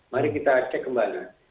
mari kita cek kembali